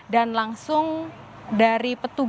dan langsung dari petunjuk